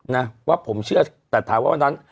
นะว่าผมเชื่อแต่ถามว่าวันนั้น